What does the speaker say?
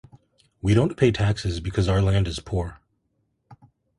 We don't pay taxes because our land is poor.